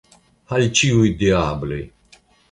Al ĉiuj diabloj!